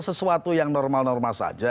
sesuatu yang normal normal saja